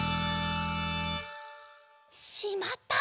しまった！